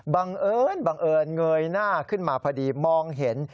บังเอิญเงยหน้าขึ้นมาพอดีมองเห็น